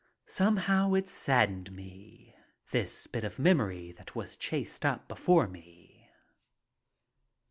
Somehow it saddened me, this bit of memory that was chased up before me.